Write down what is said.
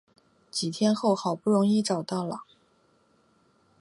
几天后好不容易找到了